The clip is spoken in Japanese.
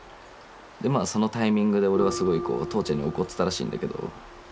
でまあそのタイミングで俺はすごいこう父ちゃんに怒ってたらしいんだけど。